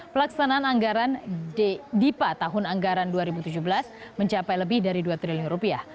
pelaksanaan anggaran dipa tahun anggaran dua ribu tujuh belas mencapai lebih dari dua triliun rupiah